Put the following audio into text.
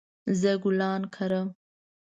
زه ګلان کرم